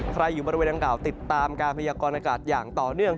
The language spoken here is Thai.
อยู่บริเวณดังกล่าติดตามการพยากรณากาศอย่างต่อเนื่อง